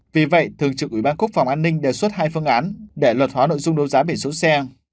vì vậy thường trực ủy ban quốc phòng an ninh đề xuất hai phương án để luật hóa nội dung đấu giá biển số xe